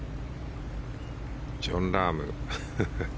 ジョン・ラーム。